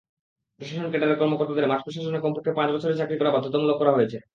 প্রশাসন ক্যাডারের কর্মকর্তাদের মাঠ প্রশাসনে কমপক্ষে পাঁচ বছর চাকরি করা বাধ্যতামূলক করা হয়েছে।